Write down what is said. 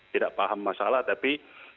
tidak paham masalah tapi